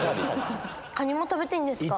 カニも食べていいですか？